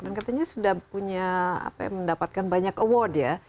dan katanya sudah punya apa ya mendapatkan banyak award ya